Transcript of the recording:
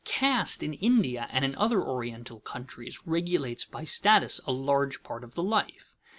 Caste in India and in other Oriental countries regulates by status a large part of the life.